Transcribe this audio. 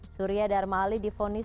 surya dharma ali difonis